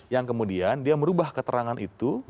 yang kemudian dia merubah keterangan itu